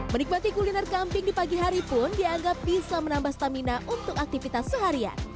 menikmati kuliner kambing di pagi hari pun dianggap bisa menambah stamina untuk aktivitas seharian